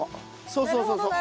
そうそうそうそう。